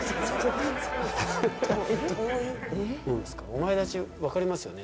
御前立分かりますよね？